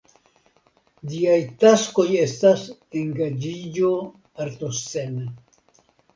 Ĝiaj taskoj estas engaĝiĝo artoscene.